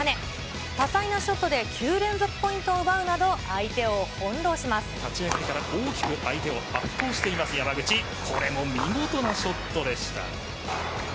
多彩なショットで、９連続ポイントを奪うなど、立ち上がりから大きく相手を圧倒しています、山口、これも見事なショットでした。